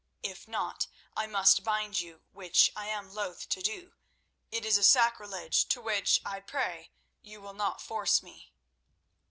If not, I must bind you, which I am loth to do—it is a sacrilege to which I pray you will not force me."